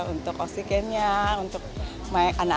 untuk oksigennya untuk anak anak